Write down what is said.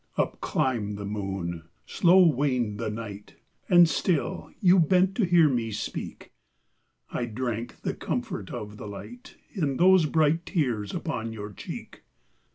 Up climbed the moon ; slow waned the night ; And still you bent to hear me speak ; I drank the comfort of the light In those bright tears upon your cheek.